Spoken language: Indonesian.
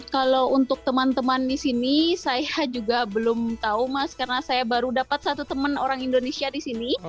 kalau untuk teman teman di sini saya juga belum tahu mas karena saya baru dapat satu teman orang indonesia di sini